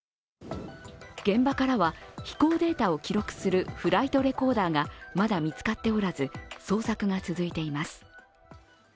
現場からは飛行データを記録するフライトレコーダーがまだ見つかっておらず捜索が続いています。